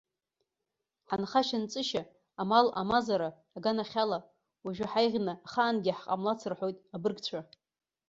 Ҳанхашьа-нҵышьа, амал-амазара аганахьала, уажәы ҳаиӷьны ахаангьы ҳҟамлац рҳәоит абыргцәа.